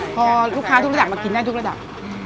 พอลูกค้ากินได้ทุกระดับ